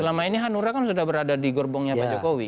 selama ini hanura kan sudah berada di gerbongnya pak jokowi